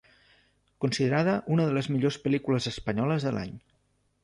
Considerada una de les millors pel·lícules espanyoles de l'any.